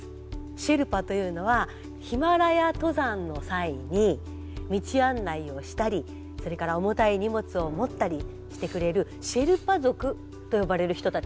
シェルパというのはヒマラヤ登山の際に道案内をしたりそれから重たい荷物を持ったりしてくれるシェルパ族と呼ばれる人たちがいるんです。